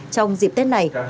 trong dịp tết này